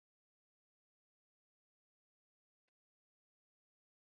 n iy inganda kugirango ubashe kugera ku ntego